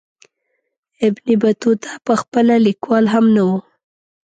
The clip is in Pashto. ابن بطوطه پخپله لیکوال هم نه وو.